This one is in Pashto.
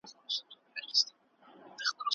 مشران ولي نړیوالي اړیکي پراخوي؟